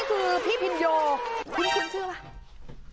ก็คือพี่พินโยพี่พินชื่อป่ะ